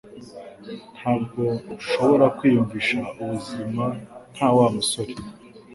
Ntabwo nshobora kwiyumvisha ubuzima nta Wa musore